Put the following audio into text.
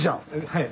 はい。